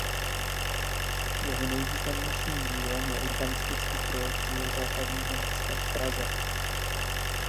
Jeho nejvýznamnějším dílem je urbanistický projekt Jihozápadního města v Praze.